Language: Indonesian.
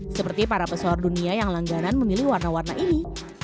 seperti para pesohor dunia yang langganan memilih warna warna ini